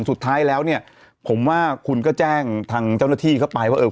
สุดท้ายแล้วเนี่ยผมว่าคุณก็แจ้งทางเจ้าหน้าที่เข้าไปว่าเออ